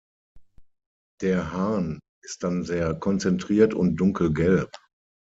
Der Harn ist dann sehr konzentriert und dunkelgelb.